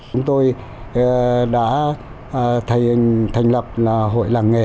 chúng tôi đã thành lập là hội làng nghề